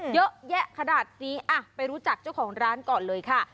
เยอะแยะขนาดนี้ไปรู้จักเจ้าของร้านก่อนเลยค่ะ